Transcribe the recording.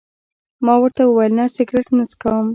ما ورته وویل: نه، سګرېټ نه څکوم.